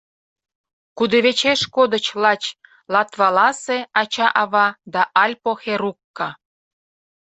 Кудывечеш кодыч лач Латваласе ача-ава да Альпо Херукка.